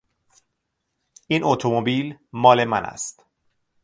این اتومبیل مال من است.